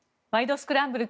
スクランブル」